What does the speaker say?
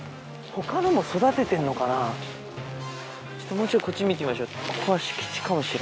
もうちょいこっち見てみましょう。